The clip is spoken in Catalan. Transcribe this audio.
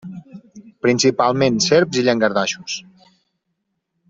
Principalment serps i llangardaixos.